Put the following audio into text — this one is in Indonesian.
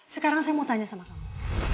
sekarang saya mau tanya sama kamu